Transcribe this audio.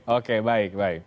oke baik baik